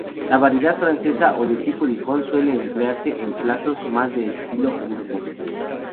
La variedad francesa o tipo Dijon suele emplearse en platos más de estilo "gourmet.